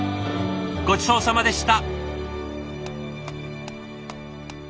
ごちそうさまでした！